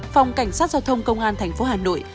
phòng cảnh sát giao thông công an tp hà nội